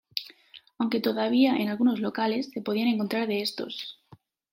Aunque todavía, en algunos locales, se podían encontrar de estos.